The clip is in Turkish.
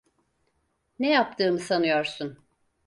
Ne yaptığımı sanıyorsun?